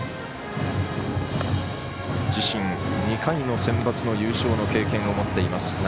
自身２回のセンバツの優勝の経験を持っています